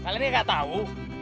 kalian yang gak tau